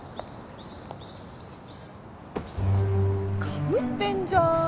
かぶってんじゃーん。